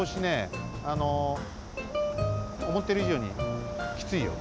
あのおもってるいじょうにキツイよ。